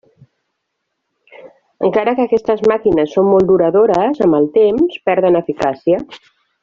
Encara que aquestes màquines són molt duradores, amb el temps perden eficàcia.